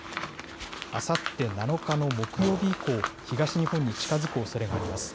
あさって７日の木曜日以降、東日本に近づくおそれがあります。